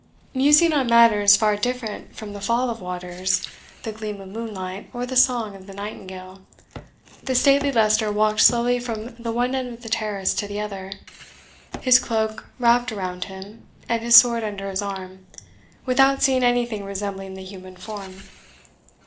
Musing on matters far different from the fall of waters, the gleam of moonlight, or the song of the nightingale, the stately Leicester walked slowly from the one end of the terrace to the other, his cloak wrapped around him, and his sword under his arm, without seeing anything resembling the human form.